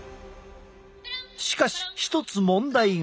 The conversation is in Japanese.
しかし一つ問題が。